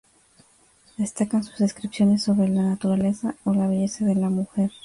Destacan sus descripciones sobre la naturaleza o la belleza de la mujer.